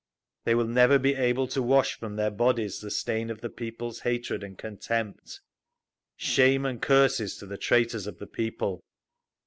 They will never be able to wash from their bodies the stain of the people's hatred and contempt. Shame and curses to the traitors of the People!